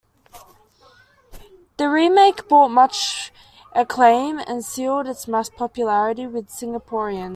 The remake brought much acclaim and sealed its mass popularity with Singaporeans.